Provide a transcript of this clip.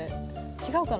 違うかな。